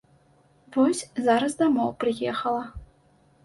Вось зараз дамоў прыехала.